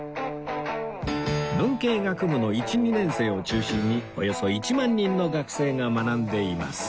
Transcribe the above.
文系学部の１・２年生を中心におよそ１万人の学生が学んでいます